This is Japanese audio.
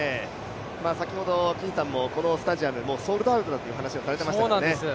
先ほど金さんもこのスタジアム、ソールドアウトだという話をされていました。